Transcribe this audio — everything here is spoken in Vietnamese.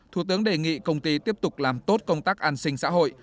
thủ tướng đề nghị công ty tiếp tục làm tốt công tác an sinh xã hội